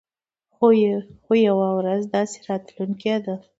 خو يوه ورځ داسې راتلونکې ده.